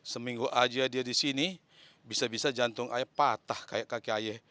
seminggu aja dia di sini bisa bisa jantung ayah patah kayak kaki ayah